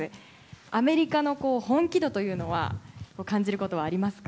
アメリカの本気度というのは感じることはありますか。